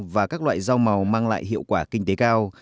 và các loại rau màu mang lại hiệu quả kinh tế cao